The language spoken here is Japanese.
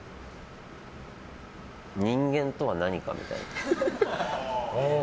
人間とは何かみたいな。